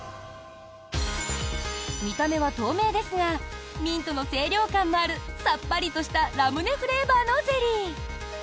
見た目は透明ですがミントの清涼感のあるさっぱりとしたラムネフレーバーのゼリー。